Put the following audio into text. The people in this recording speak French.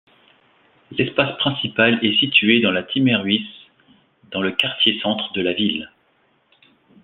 L'espace principal est situé dans la Timmerhuis, dans le quartier centre de la ville.